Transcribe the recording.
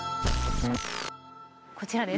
こちらです。